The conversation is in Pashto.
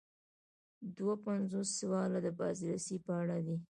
دوه پنځوسم سوال د بازرسۍ په اړه دی.